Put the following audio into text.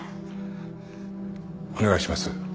お願いします。